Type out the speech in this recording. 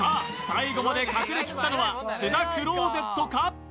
最後まで隠れきったのは須田クローゼットか？